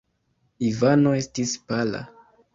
Ivano estis pala.